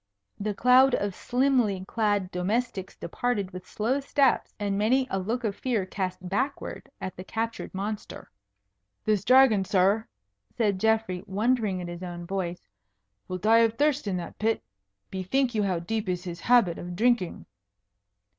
The cloud of slimly clad domestics departed with slow steps, and many a look of fear cast backward at the captured monster. "This Dragon, sir," said Geoffrey, wondering at his own voice, "will die of thirst in that pit. Bethink you how deep is his habit of drinking."